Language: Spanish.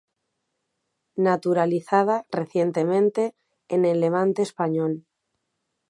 Naturalizada recientemente en el Levante español.